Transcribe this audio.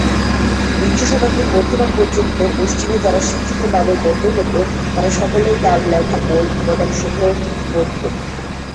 বিংশ শতাব্দীর মধ্যভাগ পর্যন্ত পশ্চিমে যারা শিক্ষিত নামে গণ্য হত তারা সকলেই তার লেখা বই, উপাদানসমূহ, পড়ত।